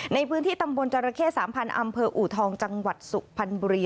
ในพื้นที่ตำบลจรเข้๓๐๐อำเภออูทองจังหวัดสุพรรณบุรี